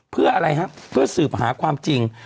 เพื่ออะไรฮะเพื่อสืบหาความจริง